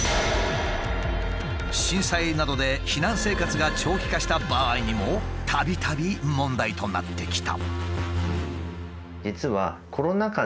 震災などで避難生活が長期化した場合にもたびたび問題となってきた。